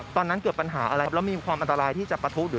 ตอนนั้นเกิดปัญหาอะไรครับแล้วมีความอันตรายที่จะปะทุหรือ